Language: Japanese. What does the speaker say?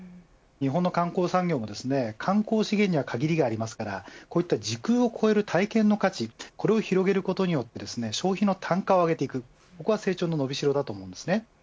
日本の観光産業も観光資源には限りがありますからこういった時空を超える体験の価値を広げることによって消費の単価を上げていくここは成長の伸びしろだと思います。